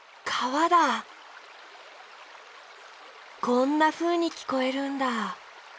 こんなふうにきこえるんだ。